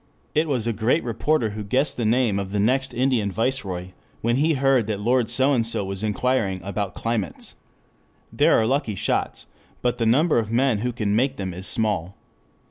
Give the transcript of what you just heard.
It was a great reporter who guessed the name of the next Indian Viceroy when he heard that Lord So and So was inquiring about climates. There are lucky shots but the number of men who can make them is small.